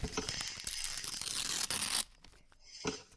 Sus obras se conservan en la "Patrología Latina" de Migne.